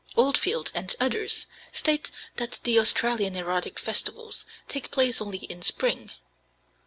Oldfield and others state that the Australian erotic festivals take place only in spring.